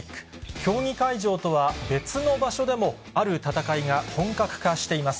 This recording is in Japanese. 競技会場とは別の場所でも、ある戦いが本格化しています。